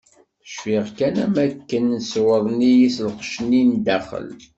Cfiɣ kan am wakken ṣewren-iyi s lqecc-nni n daxel.